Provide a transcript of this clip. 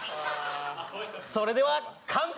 それでは乾杯！